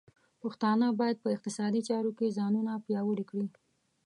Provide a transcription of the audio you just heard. پښتانه بايد په اقتصادي چارو کې ځانونه پیاوړي کړي.